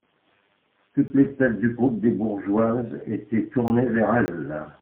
Toutes les têtes du groupe des bourgeoises étaient tournées vers elle.